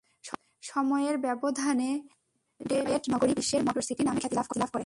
সময়ের ব্যবধানে ডেট্রয়েট নগরী বিশ্বের মোটর সিটি নামে খ্যাতি লাভ করে।